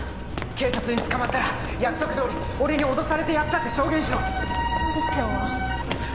警察に捕まったら約束どおり俺に脅されてやったって証言しろいっちゃんは？